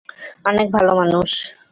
অনেক ভালো মানুষ।